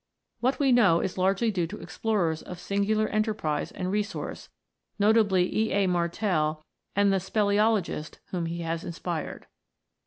What we know is largely due to explorers of singular enterprise and resource, notably E. A. Martel and the " speleologists " whom he has inspired.